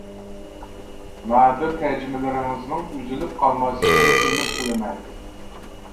نادىر تەرجىمىلىرىڭىزنىڭ ئۈزۈلۈپ قالماسلىقىنى ئۈمىد قىلىمەن.